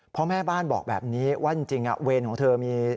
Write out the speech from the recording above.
พ่อแม่บ้านบอกแบบนี้ว่าจริงเวรของเธอมี